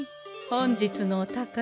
本日のお宝